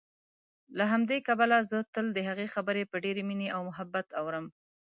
له همدې کبله زه تل دهغې خبرې په ډېرې مينې او محبت اورم